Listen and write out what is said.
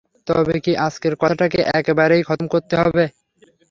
তবে কি আজকের কথাটাকে একেবারেই খতম করতে হবে।